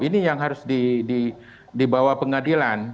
ini yang harus dibawa pengadilan